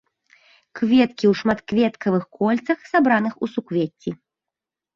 Кветкі ў шматкветкавых кольцах, сабраных у суквецці.